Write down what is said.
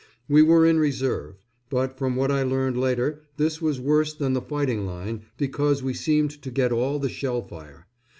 We were in reserve; but from what I learned later this was worse than the fighting line, because we seemed to get all the shell fire.